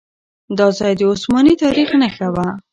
دا ځای د عثماني تاريخ نښه وه.